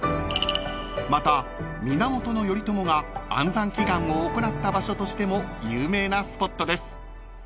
［また源頼朝が安産祈願を行った場所としても有名なスポットです］